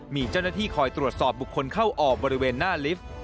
มีเจ้าหน้าที่คอยตรวจสอบบุคคลเข้าออกบริเวณหน้าลิฟต์